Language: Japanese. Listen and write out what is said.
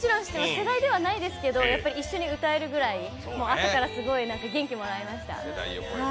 世代ではないですけど一緒に歌えるぐらい朝からすごい元気もらえました。